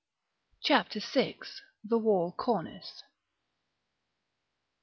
CHAPTER VI. THE WALL CORNICE.